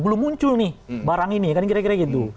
belum muncul nih barang ini kan kira kira gitu